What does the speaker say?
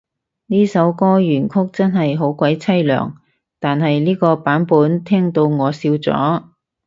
呢首歌原曲真係好鬼淒涼，但係呢個版本聽到我笑咗